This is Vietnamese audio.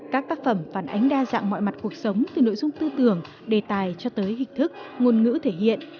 các tác phẩm phản ánh đa dạng mọi mặt cuộc sống từ nội dung tư tưởng đề tài cho tới hình thức ngôn ngữ thể hiện